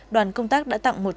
đoàn công tác đã tặng